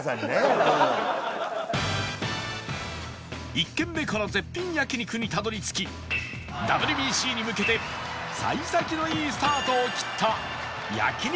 １軒目から絶品焼肉にたどり着き ＷＢＣ に向けて幸先のいいスタートを切った焼肉